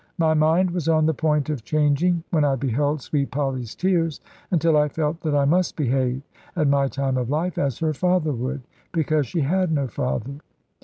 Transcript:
My mind was on the point of changing when I beheld sweet Polly's tears, until I felt that I must behave, at my time of life, as her father would; because she had no father.